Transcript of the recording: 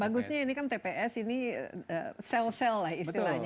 bagusnya ini kan tps ini sel sel lah istilahnya